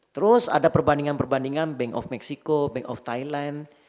terus ada perbandingan perbandingan bank of meksiko bank of thailand